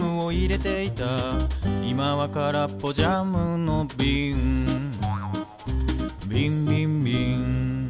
「いまはからっぽジャムのびん」「びんびんびん」